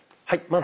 はい。